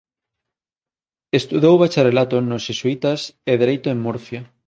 Estudou bacharelato nos xesuítas e Dereito en Murcia.